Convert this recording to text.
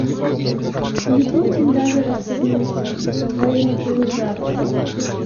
Липутин даже расстегнулся, до того ему было жарко.